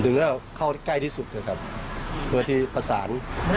แต่พอถามเขาบอกเป็นคู่กัลรีกกัน